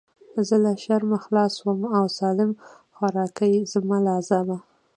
زه له شرمه خلاص سوم او سالم خواركى زما له عذابه.